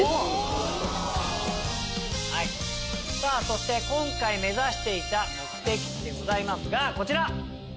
そして今回目指していた目的地でございますがこちら！